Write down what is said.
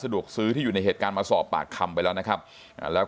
วกซื้อที่อยู่ในเหตุการณ์มาสอบปากคำไปแล้วนะครับแล้ว